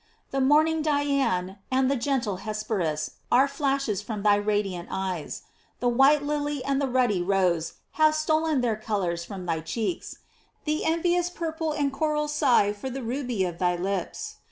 The morning Dian and the gentle Hesperus are flashes from thy radiant eyes. The white lily and the ruddy rose have stolen their colors from thy cheeks. The envious purple and coral sigh for the ruby of thy lips.